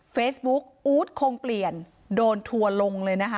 เฟซบุ๊กอู๊ดคงเปลี่ยนโดนทัวร์ลงเลยนะคะ